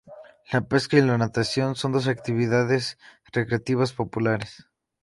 La pesca y la natación son dos actividades recreativas populares.